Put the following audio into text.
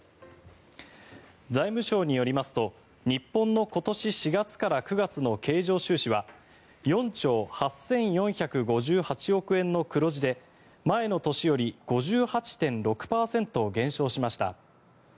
財務省によりますと日本の今年４月から９月の経常収支は４兆８４５８億円の黒字で前の年より５８．６％減少しました。